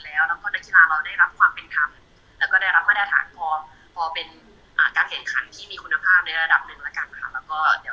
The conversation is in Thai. แล้วก็นักกีฬาเราได้รับความเป็นธรรมแล้วก็ได้รับมาตรฐานพอเป็นการแข่งขันที่มีคุณภาพในระดับหนึ่งแล้วกันค่ะ